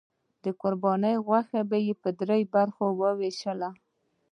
د قربانۍ غوښه یې په دریو برخو وویشله.